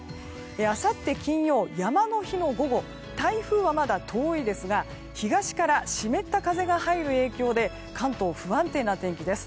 あさって金曜、山の日の午後台風はまだ遠いですが東から湿った風が入る影響で関東は不安定な天気です。